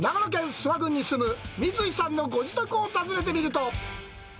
諏訪郡に住む三井さんのご自宅を訪ねてみると。